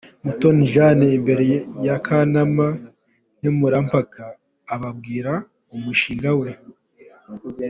Mutoni Jane imbere y'akanama nkemurampaka ababwira umushinga we.